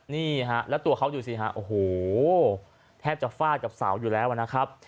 นี่ฮะแล้วตัวเขาดูสิฮะโอ้โหแทบจะฟาดกับเสาอยู่แล้วนะครับ